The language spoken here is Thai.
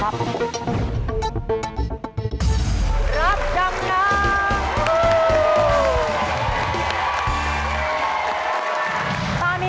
รับจำนำ